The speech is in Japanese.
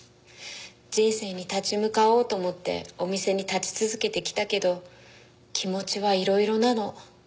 人生に立ち向かおうと思ってお店に立ち続けてきたけど気持ちはいろいろなの。